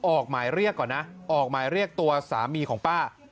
ออกหมายเรียกก่อนนะออกหมายเรียกตัวสามีของป้า